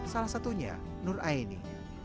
salah satunya nur aini